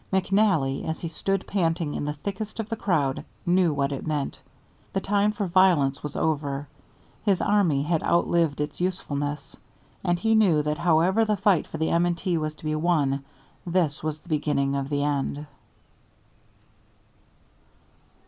McNally, as he stood panting in the thickest of the crowd, knew what it meant. The time for violence was over; his army had outlived its usefulness. And he knew that however the fight for the M. & T. was to be won, this was the beginning of the end.